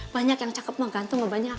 banyak yang cakep mah ganteng mah banyak